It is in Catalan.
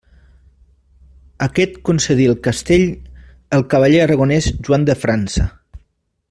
Aquest concedí el castell al cavaller aragonès Joan de França.